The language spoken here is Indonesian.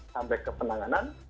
sampai ke penanganan